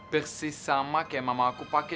persis sama kayak mama aku pake